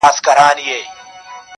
د احمدشاه له جګو غرونو سره لوبي کوي؛